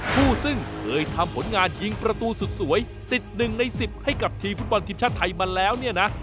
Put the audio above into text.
ผู้ซึ่งเคยทำผลงานยิงประตูสุดสวยติด๑ใน๑๐ให้กับทีมฟุตบอลทีมชาติไทยมาแล้วเนี่ยนะ